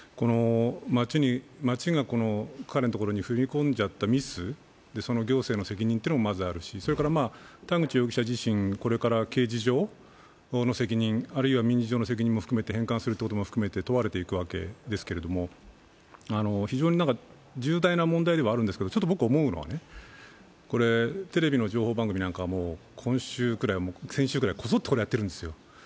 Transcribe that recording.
町が彼のところに振り込んじゃったミス、その行政の責任というのはまずあるしそれから田口容疑者自身、これから刑事上の責任あるいは民事上の責任も含めて返還していくということも含めて問われていくわけですけれども、非常に重大な問題ではあるんですけど、僕、思うのは、テレビの情報番組なんかも先週くらいこぞってこれをやっているんですよ。